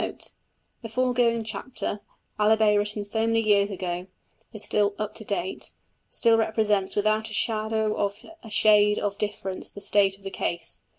Note. The foregoing chapter, albeit written so many years ago, is still "up to date" still represents without a shadow of a shade of difference the state of the case.